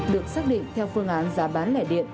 được xác định theo phương án giá bán lẻ điện